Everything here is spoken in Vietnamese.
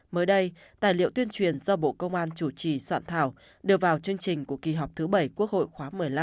mới đây tài liệu tuyên truyền do bộ công an chủ trì soạn thảo đưa vào chương trình của kỳ họp thứ bảy quốc hội khóa một mươi năm